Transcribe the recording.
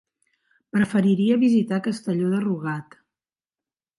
Preferiria visitar Castelló de Rugat.